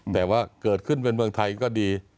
แต่ว่าเกิดขึ้นเป็นเมืองไทยก็ดี